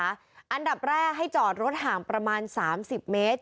อันดับแรกให้จอดรถห่างประมาณ๓๐เมตร